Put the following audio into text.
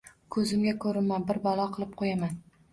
Koʻzimga koʻrinma, bir balo qilib qoʻyaman